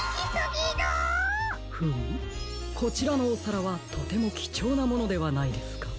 こちらのおさらはとてもきちょうなものではないですか？